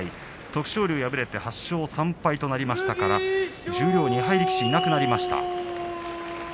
徳勝龍敗れて８勝３敗となりましたから十両２敗力士いなくなりました。